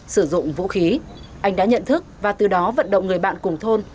sử dụng vũ khí anh đã nhận thức và từ đó vận động người bạn cùng thôn